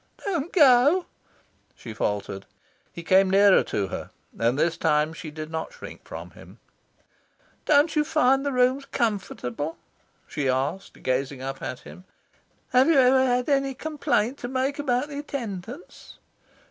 "Don't go," she faltered. He came nearer to her, and this time she did not shrink from him. "Don't you find the rooms comfortable?" she asked, gazing up at him. "Have you ever had any complaint to make about the attendance?"